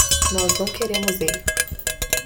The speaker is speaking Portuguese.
Nós não queremos ele!